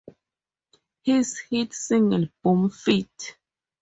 His hit single Boom feat.